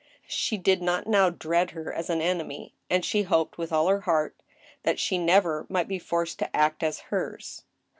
She did not now dread her as an enemy, and she hoped with all her heart that she never might be forced to act as hers.